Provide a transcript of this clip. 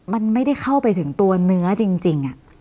มันไม่ได้เข้าไปถึงตัวเนื้อจริง